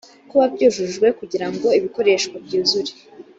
kuba byujujwe kugira ngo ibikoreshwa byuzure